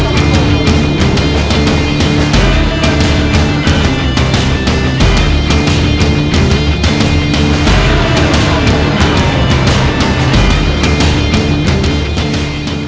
โปรดติดตามตอนต่อไป